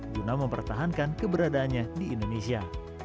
guna mempertahankan keberadaannya di indonesia